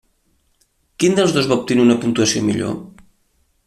Quin dels dos va obtenir una puntuació millor?